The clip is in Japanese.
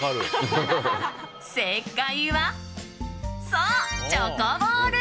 正解は、そうチョコボール。